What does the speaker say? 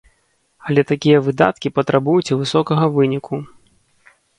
Але такія выдаткі патрабуюць і высокага выніку.